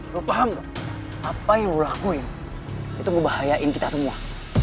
lo paham gak apa yang lo lakuin itu ngebahayain kita semua